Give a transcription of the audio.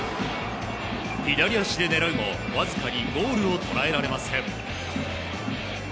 左足で狙うもわずかにゴールを捉えられません。